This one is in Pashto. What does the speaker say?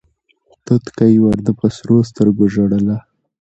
توتکۍ ورته په سرو سترګو ژړله